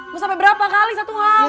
gue sampai berapa kali satu hal